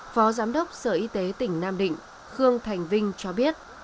phó giám đốc sở y tế tỉnh nam định khương thành vinh cho biết